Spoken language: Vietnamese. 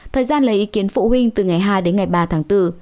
thời gian lấy ý kiến phụ huynh từ ngày hai đến ngày ba tháng bốn